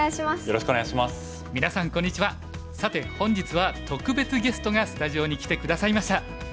さて本日は特別ゲストがスタジオに来て下さいました。